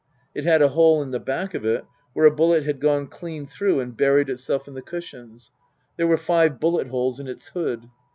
It had a hole in the back of it where a bullet had gone clean through and buried itself in the cushions. There were five bullet holes in its hood.